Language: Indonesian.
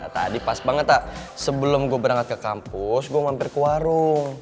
tadi pas banget sebelum gue berangkat ke kampus gue mampir ke warung